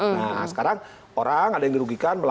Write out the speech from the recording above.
nah sekarang orang ada yang dirugikan